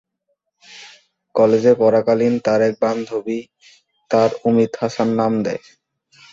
কলেজে পড়াকালীন তার এক বান্ধবী তার 'অমিত হাসান' নাম দেন।